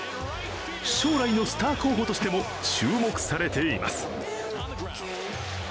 将来のスター候補としても注目されています。